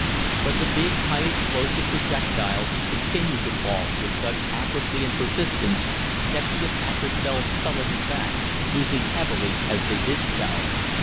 "But the big high explosive projectiles continued to fall with such accuracy and persistence that the attackers fell sullenly back, losing heavily as they did so.